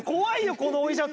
このお医者さん。